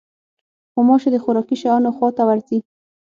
غوماشې د خوراکي شیانو خوا ته ورځي.